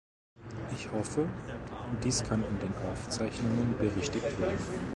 Ich hoffe, dies kann in den Aufzeichnungen berichtigt werden.